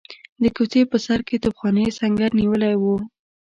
د کوڅې په سر کې توپخانې سنګر نیولی وو.